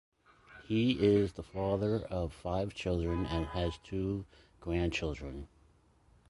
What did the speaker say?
He is the father of five children and has two grandchildren.